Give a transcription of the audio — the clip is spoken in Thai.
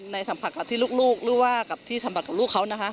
สัมผัสกับที่ลูกหรือว่ากับที่สัมผัสกับลูกเขานะคะ